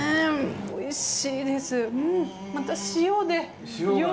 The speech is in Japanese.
おいしいです。